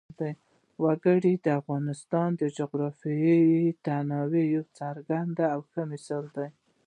وګړي د افغانستان د جغرافیوي تنوع یو څرګند او ښه مثال دی.